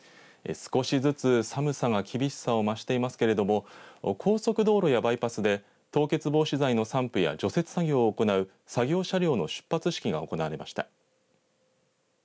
少しずつ寒さが厳しさを増していますけれども高速道路やバイパスで凍結防止剤の散布や除雪作業を行う作業車両の出発式が行われました。